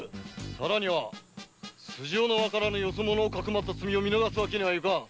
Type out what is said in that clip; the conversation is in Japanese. さらには素性のわからぬよそ者をかくまった罪を見逃すわけにはいかん。